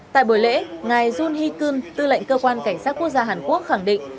tại buổi lễ ngài jun hee keun tư lệnh cơ quan cảnh sát quốc gia hàn quốc khẳng định